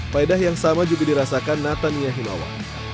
paedah yang sama juga dirasakan nathan yahinawa